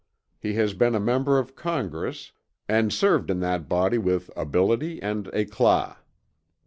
He has been a member of Congress, and served in that Body with ability and eclat."